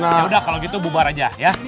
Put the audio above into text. yaudah kalau gitu bubar aja ya